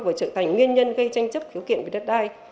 và trở thành nguyên nhân gây tranh chấp khiếu kiện với đất đai